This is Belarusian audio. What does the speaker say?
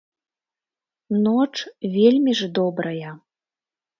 Ноч вельмі ж добрая.